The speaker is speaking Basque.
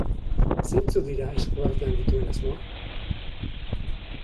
Zeintzuk dira eskuartean dituen asmoa?